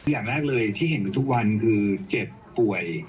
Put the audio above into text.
อย่างแรกเลยที่เห็นอยู่ทุกวันคือเจ็บป่วย